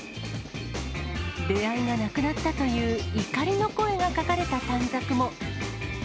出会いがなくなったという、怒りの声が書かれた短冊も。